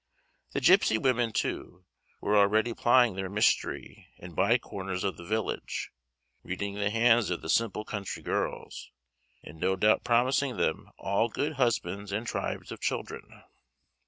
The gipsy women, too, were already plying their mystery in by corners of the village, reading the hands of the simple country girls, and no doubt promising them all good husbands and tribes of children.